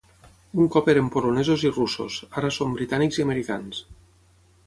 Un cop eren polonesos i russos; ara són britànics i americans.